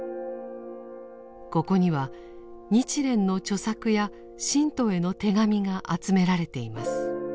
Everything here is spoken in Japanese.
ここには日蓮の著作や信徒への手紙が集められています。